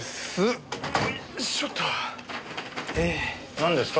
なんですか？